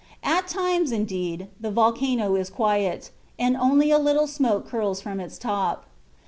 At times, indeed, the volcano is quiet, and only a little smoke curls from its top.